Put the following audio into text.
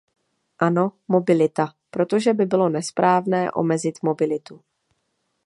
Ano, mobilita, protože by bylo nesprávné omezit mobilitu.